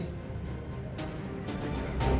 aku akan tetap bersama andi